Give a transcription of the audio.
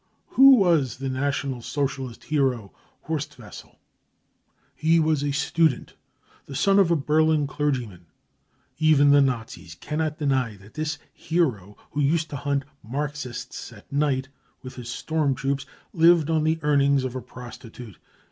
Who was the National Socialist " hero " Horst Wessel ? He was a student, the son of a Berlin clergyman. Even the . Nazis cannot deny that this " hero , 35 who used to hunt c< Marxists 33 at night with his storm troops, lived on the earnings of a prostitute.